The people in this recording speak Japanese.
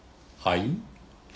はい？